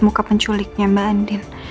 muka penculiknya mbak andin